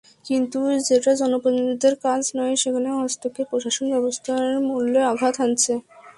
কিন্তু যেটা জনপ্রতিনিধিদের কাজ নয়, সেখানে হস্তক্ষেপ প্রশাসনব্যবস্থার মূলে আঘাত হানছে।